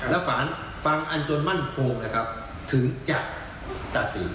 แล้วสารฟังอันจนมั่นคงนะครับถึงจะตัดสิน